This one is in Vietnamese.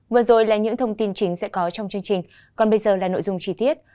vừa rồi là những thông tin chính sẽ có trong chương trình còn bây giờ là nội dung chi tiết